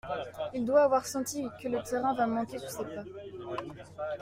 Il doit avoir senti que le terrain va manquer sous ses pas.